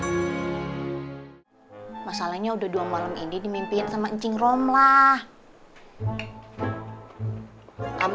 hai hai hai masalahnya udah dua malam ini dimimpiin sama cingrom lah kamu